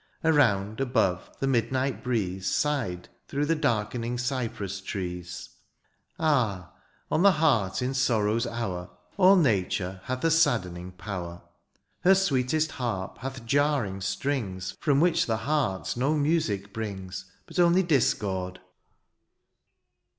Around, above, the midnight breeze Sighed through the darkening cypress trees ;— Ah ! on the heart, in sorrow's hour. All nature hath a saddening power ; Her sweetest harp hath jarring strings From which the heart no music brings, • But only discord.